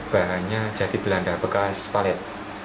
bahannya jati belanda bekas palet